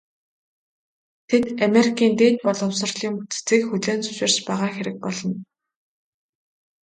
Тэд Америкийн дээд боловсролын бүтцийг хүлээн зөвшөөрч байгаа хэрэг болно.